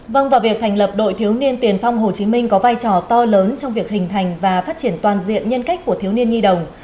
vâng và việc thành lập đội thiếu niên tiền phong hồ chí minh có vai trò to lớn trong việc hình thành và phát triển toàn diện nhân cách của thiếu niên nhi đồng